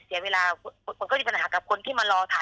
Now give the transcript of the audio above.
เสียเวลาคนก็มีปัญหากับคนที่มารอถ่าย